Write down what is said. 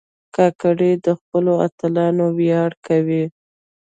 کاکړي د خپلو اتلانو ویاړ کوي.